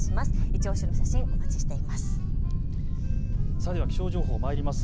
いちオシの写真お待ちしています。